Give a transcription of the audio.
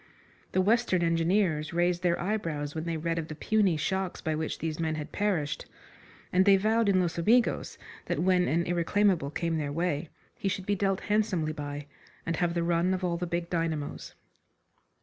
The Western Engineers raised their eyebrows when they read of the puny shocks by which these men had perished, and they vowed in Los Amigos that when an irreclaimable came their way he should be dealt handsomely by, and have the run of all the big dynamos.